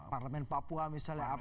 parlemen papua misalnya apa